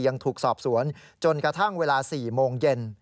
ยังถูกสอบสวนจนกระทั่งเวลา๔โมงเย็น